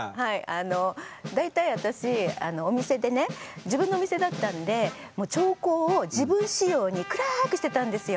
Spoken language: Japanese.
あの大体私お店でね自分のお店だったんでもう調光を自分仕様に暗くしてたんですよ。